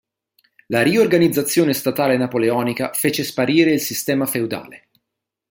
La riorganizzazione statale napoleonica fece sparire il sistema feudale.